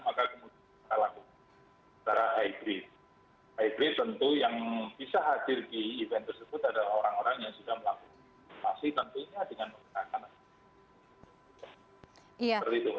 seperti itu saja